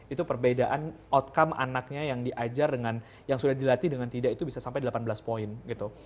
itu perbedaan outcome anaknya yang diajar dengan yang sudah dilatih dengan tidak itu bisa sampai delapan belas poin gitu